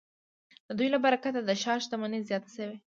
د دوی له برکته د ښار شتمني زیاته شوې.